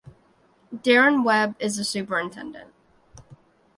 Darren Webb is the Superintendent.